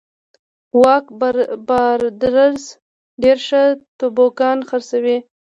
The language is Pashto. اوک برادرز ډېر ښه توبوګان خرڅوي.